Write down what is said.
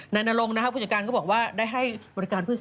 ในนรงนะฮะผู้จัดการก็บอกว่าได้ให้บริการผู้โดยสารทุกคน